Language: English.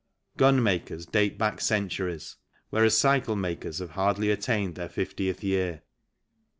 Gun makers date back centuries, whereas cycle makers have hardly attained their fiftieth year.